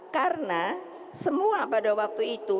karena semua pada waktu itu